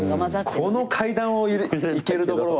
この階段をいけるところは。